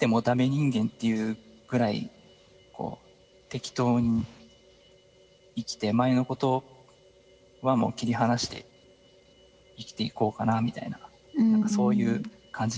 人間っていうぐらいこう適当に生きて前のことはもう切り離して生きていこうかなみたいな何かそういう感じになってます。